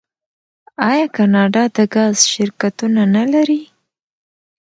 آیا کاناډا د ګاز شرکتونه نلري؟